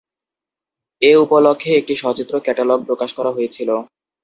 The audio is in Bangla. এ উপলক্ষে একটি সচিত্র ক্যাটালগ প্রকাশ করা হয়েছিল।